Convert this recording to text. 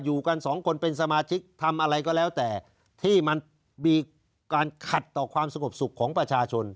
อยู่กันสองคนเป็นสมาชิกทำอะไรก็แล้วแต่ที่มันมีการขัดต่อความสงบสุขของประชาชน